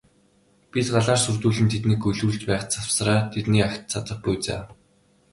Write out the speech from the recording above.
Бид галаар сүрдүүлэн тэднийг гөлрүүлж байх завсраа бидний агт цадах буй за.